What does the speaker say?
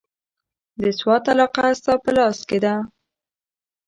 د سوات علاقه ستا په لاس کې ده.